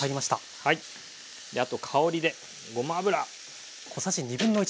あと香りでごま油。